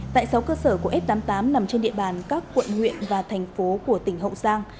tại sáu cơ sở của f tám mươi tám nằm trên địa bàn các quận huyện và thành phố của tỉnh hậu giang